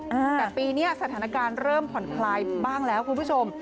แต่ปีนี้สถานการณ์เริ่มผ่อนคลายบ้างแล้วคุณผู้ชม